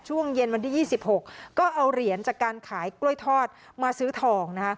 ช่วงเย็นวันที่๒๖ก็เอาเหรียญจากการขายกล้วยทอดมาซื้อทองนะคะ